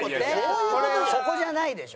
そこじゃないでしょ。